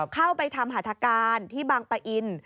เข้าไปทำหัฐการที่บางปะอิน